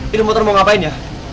motor mau ngapain ya